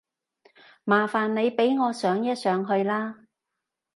麻煩你俾我上一上去啦